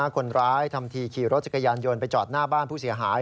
คนร้ายทำทีขี่รถจักรยานยนต์ไปจอดหน้าบ้านผู้เสียหาย